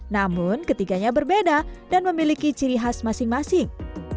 namun ketiganya berbeda dan memiliki ciri khas masing masing